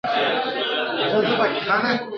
چي کسات د ملالیو راته واخلي !.